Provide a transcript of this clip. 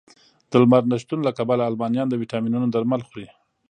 د لمر نه شتون له کبله المانیان د ویټامینونو درمل خوري